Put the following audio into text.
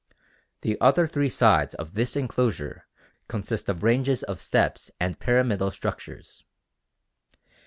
The other three sides of this enclosure consist of ranges of steps and pyramidal structures.